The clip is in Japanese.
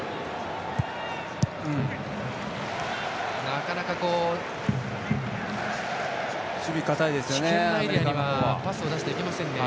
なかなか危険なエリアにはパスを出していけませんね。